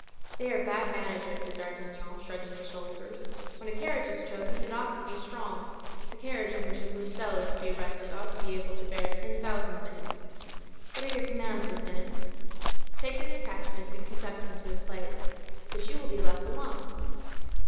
"They are bad managers," said D'Artagnan, shrugging his shoulders. "When a carriage is chosen, it ought to be strong. The carriage in which a Broussel is to be arrested ought to be able to bear ten thousand men." "What are your commands, lieutenant?" "Take the detachment and conduct him to his place." "But you will be left alone?"